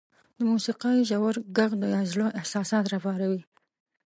• د موسیقۍ ژور ږغ د زړه احساسات راپاروي.